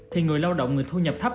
thì người lao động người thu nhập thấp